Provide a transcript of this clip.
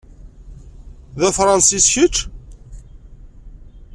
D Afransis, kečč?